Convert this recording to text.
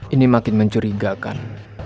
ini makin mencurigakan